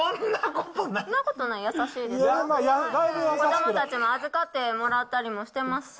子どもたちも預かってもらったりもしてますし。